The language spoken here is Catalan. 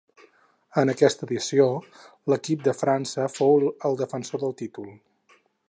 En aquesta edició l'equip de França fou el defensor del títol.